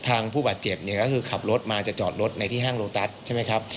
ผู้บาดเจ็บเนี่ยก็คือขับรถมาจะจอดรถในที่ห้างโลตัสใช่ไหมครับ